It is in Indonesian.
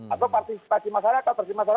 atau partisipasi masalah atau partisipasi masalah